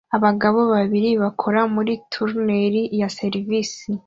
abagabo babiri bakora muri tunnel ya serivisi